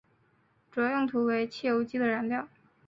主要用途为汽油机的燃料。